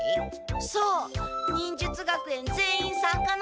そう忍術学園全員参加の。